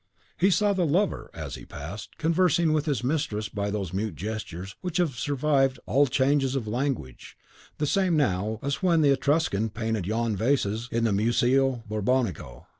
He saw the lover, as he passed, conversing with his mistress by those mute gestures which have survived all changes of languages, the same now as when the Etruscan painted yon vases in the Museo Borbonico.